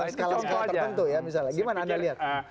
skala skala tertentu ya misalnya gimana anda lihat